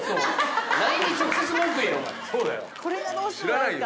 知らないよ